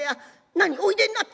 何おいでになった。